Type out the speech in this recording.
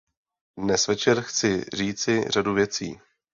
Dnes večer chci říci řadu věcí.